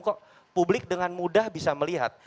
kok publik dengan mudah bisa melihat